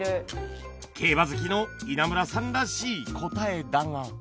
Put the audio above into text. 競馬好きの稲村さんらしい答えだが